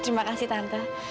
terima kasih tante